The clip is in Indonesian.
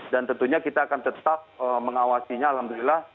dan tentunya kita akan tetap mengawasinya alhamdulillah